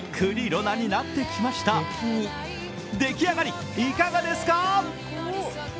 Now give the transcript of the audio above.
出来上がり、いかがですか？